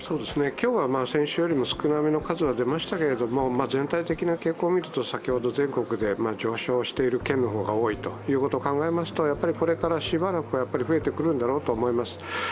今日は先週よりも少なめの数が出ましたけれども全体的な傾向を見ると、全国で上昇している県の方が多いことを考えますとこれからしばらくは増えてくるんだろうと思います。